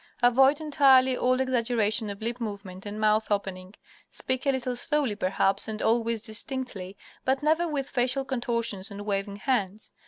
Avoid entirely all exaggeration of lip movement and mouth opening. Speak a little slowly, perhaps, and always distinctly, but never with facial contortions and waving hands.